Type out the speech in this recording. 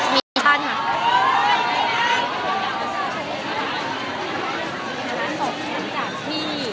มีท่านหรอ